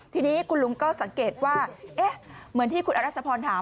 ทีนี้คุณลุงก็สังเกตว่าเหมือนที่คุณอรัชพรถาม